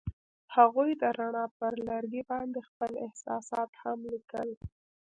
هغوی د رڼا پر لرګي باندې خپل احساسات هم لیکل.